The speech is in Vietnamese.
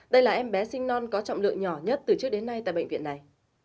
đây là em bé sinh non có trọng lượng nhỏ nhất từ trước đến nay tại bệnh viện này